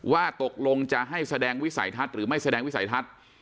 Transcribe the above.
ว่าตกลงจะให้แสดงวิสัยทัศน์หรือไม่แสดงวิสัยทัศน์